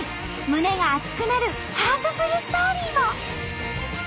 胸が熱くなるハートフルストーリーも。